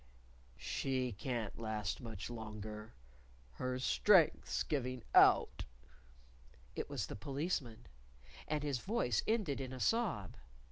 "She can't last much longer! Her strength's giving out." It was the Policeman. And his voice ended in a sob.